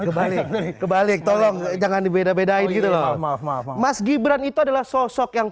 kebalik kebalik tolong jangan dibeda bedain gitu loh maaf maaf mas gibran itu adalah sosok yang